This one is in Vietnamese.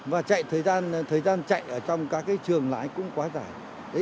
và chạy thời gian chạy ở trong các cái trường lái cũng quá dài